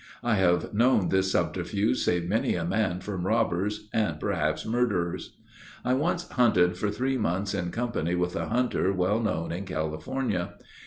I have known this subterfuge save many a man from robbers and perhaps murderers. I once hunted for three months in company with a hunter well known in California.